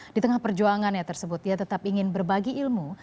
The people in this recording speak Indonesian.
di tengah perjuangannya tersebut dia tetap ingin berbagi ilmu